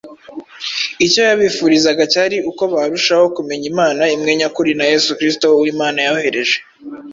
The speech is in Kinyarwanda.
Icyo yabifurizaga cyari uko barushaho kumenya Imana imwe nyakuri na Yesu Kristo uwo Imana yohereje.